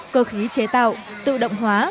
cơ khí chế tạo tự động hóa